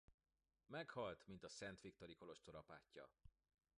Meghalt mint a szent-victori kolostor apátja.